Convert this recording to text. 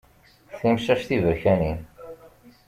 Timcac tiberkanin.